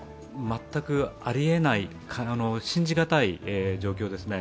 全くありえない、信じがたい状況ですね。